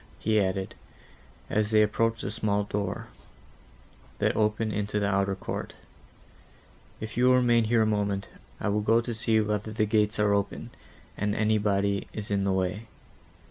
he added, as they approached the small door, that opened into the outer court, "if you will remain here a moment, I will go to see whether the gates are open, and anybody is in the way.